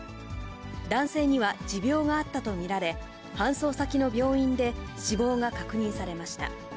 男性には持病があったと見られ、搬送先の病院で死亡が確認されました。